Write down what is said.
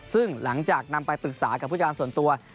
ซึ่งหลังจากนำไปปรึกษากับผู้จัดการส่วนตัว